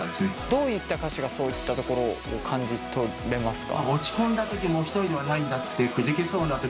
どういった歌詞がそういったところを感じ取れますか？